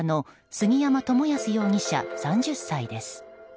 杉山知靖容疑者、３０歳です。